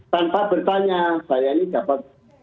tanpa bertanya saya ini dapat